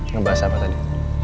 ngebahas apa tadi